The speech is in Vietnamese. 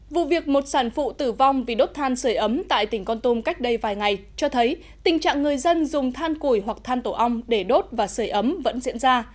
vụ việc một sản phụ tử vong vì đốt than sửa ấm tại tỉnh con tum cách đây vài ngày cho thấy tình trạng người dân dùng than củi hoặc than tổ ong để đốt và sửa ấm vẫn diễn ra